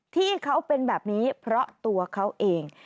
ที่เขาเป็นแบบนี้เพราะตัวเขาเอง